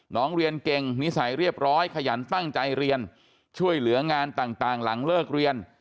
น้องเรียนเก่งนิสัยเรียบร้อยขยันตั้งใจเรียนช่วยเหลืองานต่างหลังเลิกเรียน